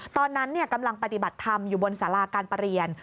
ตอนนั้นกำลังปฏิบัติธรรมอยู่บนสาราการประเรียน